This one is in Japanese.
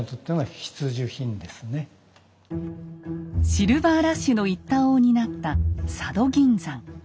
シルバーラッシュの一端を担った佐渡銀山。